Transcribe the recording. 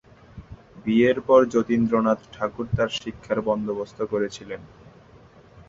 বিয়ের পর জ্যোতিরিন্দ্রনাথ ঠাকুর তার শিক্ষার বন্দোবস্ত করেছিলেন।